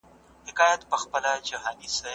دروني ارامي په زړه کي پیدا کړئ.